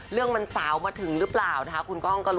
เรื่องมันสาวมาถึงหรือเปล่านะคะคุณก้องก็รู้